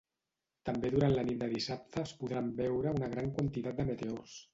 També durant la nit de dissabte es podran veure una gran quantitat de meteors.